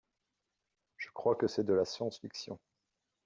Je crois que c’est de la science-fiction.